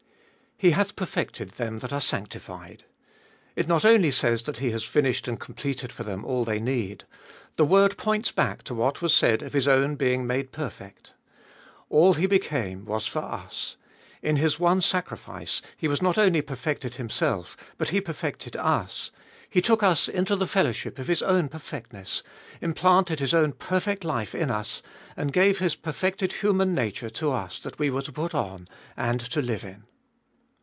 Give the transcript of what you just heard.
He hath perfected them that are sanctified. It not only says that He has finished and completed for them all they need. The word points back to what was said of His own being made perfect. All He became was for us. In His one sacrifice He was not only perfected Himself, but He perfected 344 Gbe Iboliest of Bll us ; He took us into the fellowship of His own perfectness, implanted His own perfect life in us, and gave His per fected human nature to us what we were to put on, and to live in.